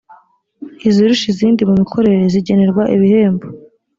izirusha izindi mu mikorere zigenerwa ibihembo